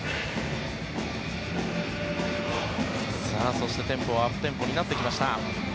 そしてアップテンポになってきました。